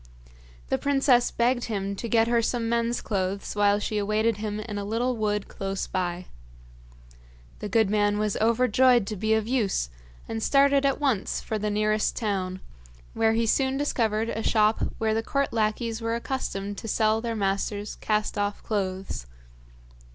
The princess begged him to get her some men's clothes while she awaited him in a little wood close by. The good man was overjoyed to be of use, and started at once for the nearest town, where he soon discovered a shop where the court lackeys were accustomed to sell their masters' cast off clothes.